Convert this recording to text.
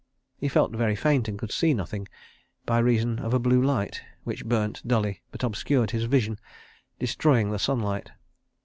... He felt very faint and could see nothing, by reason of a blue light which burnt dully, but obscured his vision, destroying the sunlight.